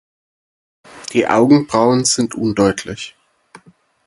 Die Augenbrauen sind undeutlich.